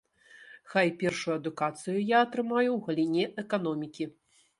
Хай першую адукацыю я атрымаю ў галіне эканомікі.